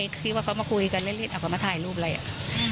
ที่ว่าเขามาคุยกันเล่นเขามาถ่ายรูปอะไรอ่ะ